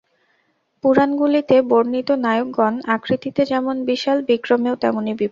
পুরাণগুলিতে বর্ণিত নায়কগণ আকৃতিতে যেমন বিশাল, বিক্রমেও তেমনি বিপুল।